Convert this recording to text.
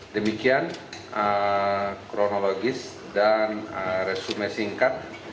demikian kronologis dan resume singkat